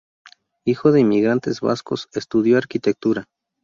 Hijo de inmigrantes vascos, estudió arquitectura.